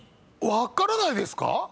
］分からないですか？